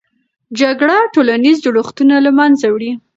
جګړه ټولنیز جوړښتونه له منځه وړي.